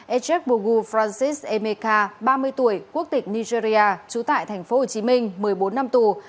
ejek bogu francis emeka ba mươi tuổi quốc tịch nigeria trú tại tp hcm một mươi bốn năm tù